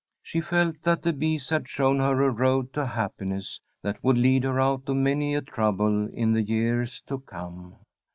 She felt that the bees had shown her a road to happiness that would lead her out of many a trouble in the years to come.